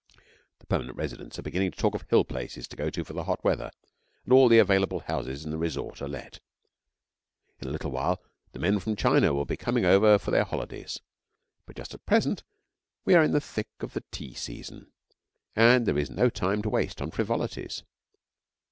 The permanent residents are beginning to talk of hill places to go to for the hot weather, and all the available houses in the resort are let. In a little while the men from China will be coming over for their holidays, but just at present we are in the thick of the tea season, and there is no time to waste on frivolities.